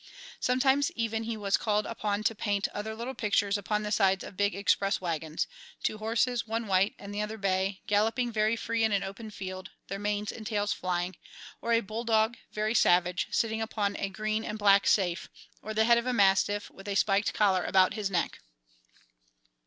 Sometimes even he was called upon to paint other little pictures upon the sides of big express wagons two horses, one white and the other bay, galloping very free in an open field, their manes and tails flying, or a bulldog, very savage, sitting upon a green and black safe, or the head of a mastiff with a spiked collar about his neck.